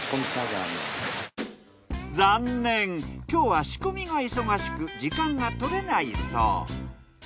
今日は仕込みが忙しく時間がとれないそう。